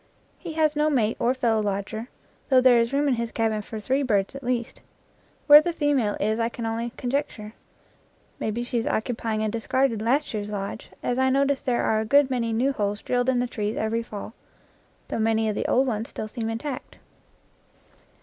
He has no mate or fellow lodger, though there is room in his cabin for three birds at least. Where the female is I can only conjecture; maybe she is occupy ing a discarded last year's lodge, as I notice there are a good many new holes drilled in the trees every fall, though many of the old ones still seem intact.